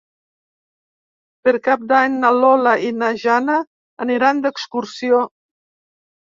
Per Cap d'Any na Lola i na Jana aniran d'excursió.